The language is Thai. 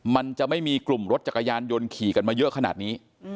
มันจะไม่มีกลุ่มรถจักรยานยนต์ขี่กันมาเยอะขนาดนี้